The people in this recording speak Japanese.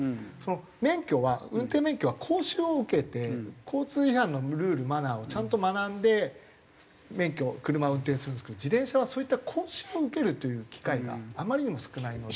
免許は運転免許は講習を受けて交通違反のルールマナーをちゃんと学んで免許車を運転するんですけど自転車はそういった講習を受けるという機会があまりにも少ないので。